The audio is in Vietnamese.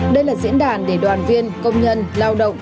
đây là diễn đàn để đoàn viên công nhân lao động